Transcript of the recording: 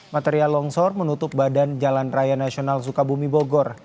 material longsor menutup badan jalan raya nasional sukabumi bogor